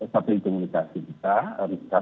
satu komunikasi kita